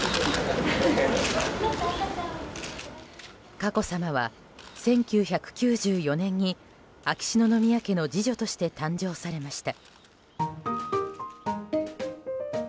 佳子さまは１９９４年に秋篠宮家の次女として誕生されました。